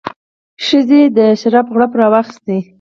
ښځې د شرابو غوړپ راواخیست.